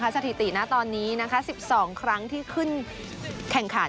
สถิตินะตอนนี้๑๒ครั้งที่ขึ้นแข่งขัน